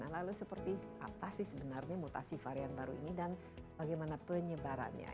lalu seperti apa sih sebenarnya mutasi varian baru ini dan bagaimana penyebarannya